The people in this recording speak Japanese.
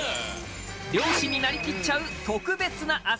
漁師になりきっちゃう特別な朝